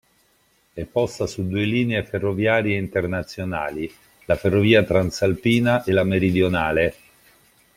È posta su due linee ferroviarie internazionali: la ferrovia Transalpina e la Meridionale.